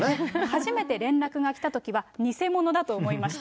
初めて連絡が来たときは偽者だと思いました。